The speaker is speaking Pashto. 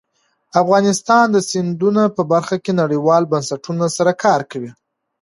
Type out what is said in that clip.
افغانستان د سیندونه په برخه کې نړیوالو بنسټونو سره کار کوي.